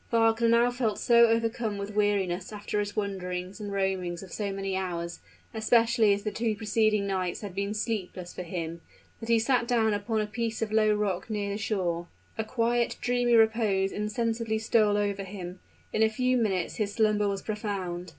Wagner now felt so overcome with weariness after his wanderings and roamings of so many hours, especially as the two preceding nights had been sleepless for him that he sat down upon a piece of low rock near the shore. A quiet, dreamy repose insensibly stole over him: in a few minutes his slumber was profound.